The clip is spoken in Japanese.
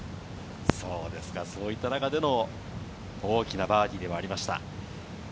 そういった中での大きなバーディーではありました。